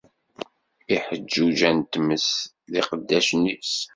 Iḥeǧǧuǧa n tmes d iqeddacen-is.